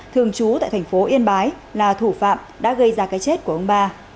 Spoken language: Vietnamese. thường trú tại thành phố yên bái là thủ phạm đã gây ra cái chết của ông ba